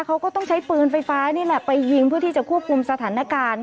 เขาก็ต้องใช้ปืนไฟฟ้านี่แหละไปยิงเพื่อที่จะควบคุมสถานการณ์